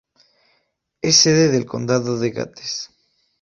Es sede del condado de Gates.